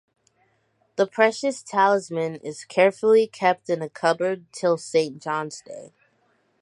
The precious talisman is carefully kept in a cupboard till St. John's Day.